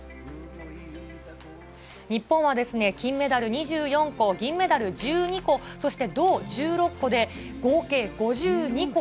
日本は金メダル２４個、銀メダル１２個、銅１６個で、合計５２個。